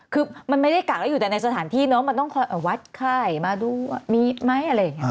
คือมันไม่ได้กากแล้วอยู่แต่ในสถานที่เนอะมันต้องวัดใครมาดูมีไหมอะไร